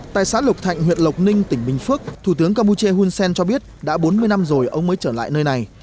tại xã lục thạnh huyện lộc ninh tỉnh bình phước thủ tướng campuchia hunsen cho biết đã bốn mươi năm rồi ông mới trở lại nơi này